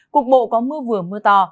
cục bộ có mưa vừa mưa to